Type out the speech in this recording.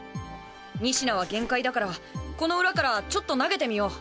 仁科は限界だからこの裏からちょっと投げてみよう。